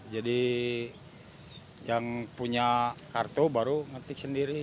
jadi yang punya kartu baru ngetik sendiri